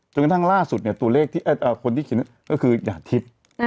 กระทั่งล่าสุดเนี่ยตัวเลขที่คนที่เขียนก็คือหยาดทิพย์